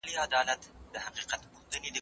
دغه مصارف ئې پر هغه چا دي، چي نفقه ئې پر لازمه وي.